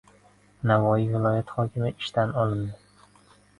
Navoiy viloyati hokimi ishdan olindi